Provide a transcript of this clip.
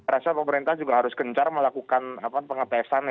rasa pemerintah juga harus gencar melakukan pengetesan